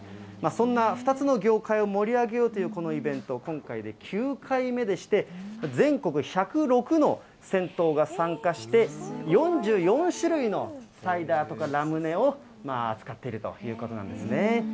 そんな２つの業界を盛り上げようというこのイベント、今回で９回目でして、全国１０６の銭湯が参加して、４４種類のサイダーとかラムネを扱っているということなんですね。